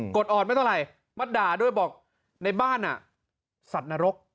กดออดไม่ต้องอะไรมาด่าด้วยบอกในบ้านสัตว์นรก